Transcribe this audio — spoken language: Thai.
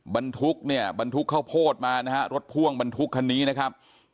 บรรทุกเนี่ยบรรทุกข้าวโพดมานะฮะรถพ่วงบรรทุกคันนี้นะครับ